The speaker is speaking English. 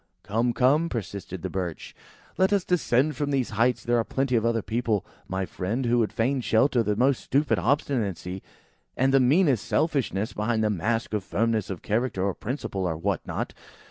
"Come, come!" persisted the Birch; "let us descend from these heights. There are plenty of other people my friend, who would fain shelter the most stupid obstinacy, and the meanest selfishness, behind the mask of firmness of character or principle, or what not.